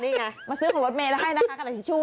นี่ไงมาซื้อของรถเมย์ได้ให้นะคะกระดาษทิชชู่